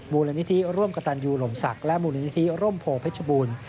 มูลนิธิร่วมกับตันยูหลมศักดิ์และมูลนิธิร่มโพเพชรบูรณ์